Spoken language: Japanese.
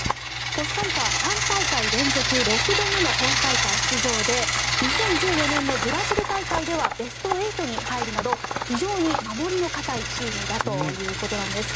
コスタリカは３大会連続６度目の本大会出場で２０１４年のブラジル大会ではベスト８に入るなど非常に守りの堅いチームだということなんです。